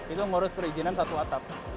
itu ngurus perizinan satu atap